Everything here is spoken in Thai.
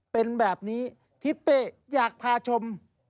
เป็นแบบนี้ทิศเป้อยากพาชม